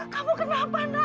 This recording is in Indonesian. kamu kenapa nak